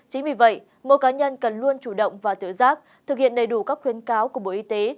chính vì vậy mỗi cá nhân cần luôn chủ động và tự giác thực hiện đầy đủ các khuyến cáo của bộ y tế